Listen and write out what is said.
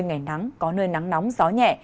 ngày nắng có nơi nắng nóng gió nhẹ